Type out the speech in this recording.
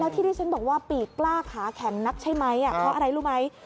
ที่ที่ฉันบอกว่าปีกกล้าขาแข็งนักใช่ไหมเพราะอะไรรู้ไหม